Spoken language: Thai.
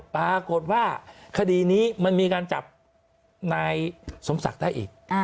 ปรากฏว่าคดีนี้มันมีการจับนายสมศักดิ์ได้อีก